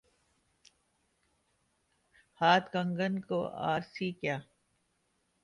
ہاتھ کنگن کو آرسی کیا؟